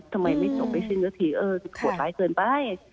ทำไมไม่จบไม่สิ้นสักทีเออโหดร้ายเกินไป